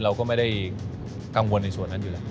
เราก็ไม่ได้กังวลในส่วนนั้นอยู่แล้ว